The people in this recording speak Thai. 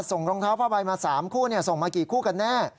รองเท้าผ้าใบมา๓คู่ส่งมากี่คู่กันแน่